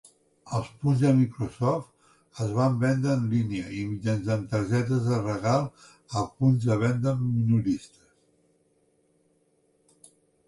Els Punts de Microsoft es van vendre en línia i mitjançant targetes de regal a punts de venda minoristes.